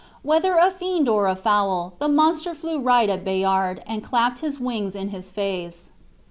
Whether a fiend or a fowl, the monster flew right at Bayard, and clapped his wings in his face.